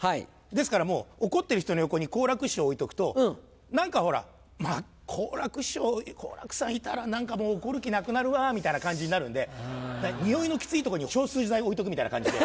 ですからもう怒っている人の横に好楽師匠置いとくと何かほら「好楽師匠好楽さんいたら何かもう怒る気なくなるわ」みたいな感じになるんでにおいのキツい所に消臭剤置いとくみたいな感じで。